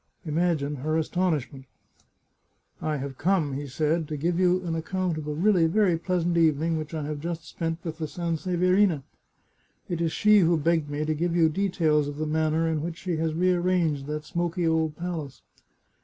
Imagine her astonishment !* I have come,' he said, * to give you an account of a really very pleasant evening which I have just spent with the Sanseverina. It is she who begged me to give you details of the manner in which she has re arranged that smoky old palace.'